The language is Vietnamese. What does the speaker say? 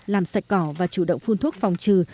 làm sạch cỏ và chủ động phun thuốc phòng trừ